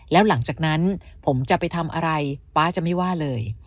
แล้วหลังจากนั้นผมจะไปทำอะไรป๊าจะไม่ว่าเลย